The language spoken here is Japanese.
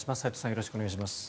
よろしくお願いします。